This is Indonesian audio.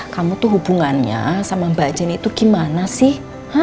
kamu tuh hubungannya sama mbak jenny itu gimana sih